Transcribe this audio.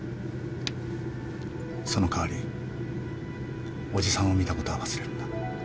その代わりおじさんを見たことは忘れるんだ。